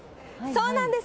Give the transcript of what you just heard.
そうなんです。